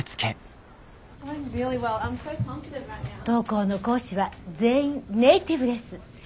当校の講師は全員ネイティブです。